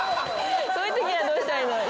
そういうときはどうしたらいいんだろう？